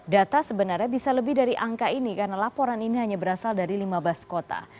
data sebenarnya bisa lebih dari angka ini karena laporan ini hanya berasal dari lima belas kota